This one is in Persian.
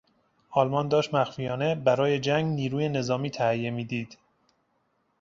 آلمان داشت مخفیانه برای جنگ نیروی نظامی تهیه میدید.